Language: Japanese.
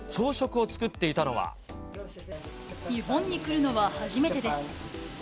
日本に来るのは初めてです。